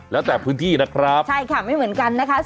แล้วแต่พื้นที่นะครับใช่ค่ะไม่เหมือนกันนะคะ